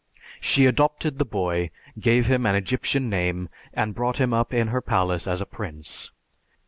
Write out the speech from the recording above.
She adopted the boy, gave him an Egyptian name, and brought him up in her palace as a prince.